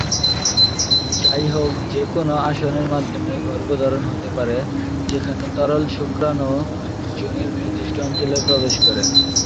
যাইহোক, যেকোন আসনের মাধ্যমেই গর্ভধারণ হতে পারে যেখানে তরল শুক্রাণু যোনির নির্দিষ্ট অঞ্চলে প্রবেশ করে।